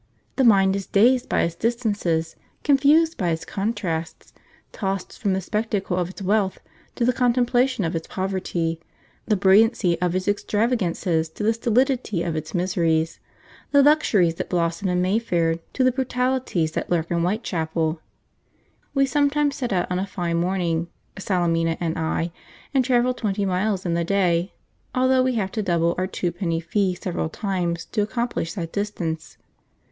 The mind is dazed by its distances, confused by its contrasts; tossed from the spectacle of its wealth to the contemplation of its poverty, the brilliancy of its extravagances to the stolidity of its miseries, the luxuries that blossom in Mayfair to the brutalities that lurk in Whitechapel. We often set out on a fine morning, Salemina and I, and travel twenty miles in the day, though we have to double our twopenny fee several times to accomplish that distance.